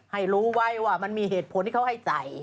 ให้รู้ไว้ว่ามันมีเหตุผลที่เขาให้จ่าย